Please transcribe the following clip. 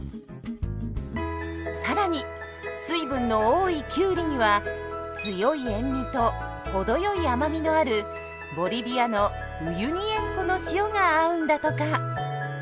更に水分の多いキュウリには強い塩味とほどよい甘みのあるボリビアのウユニ塩湖の塩が合うんだとか。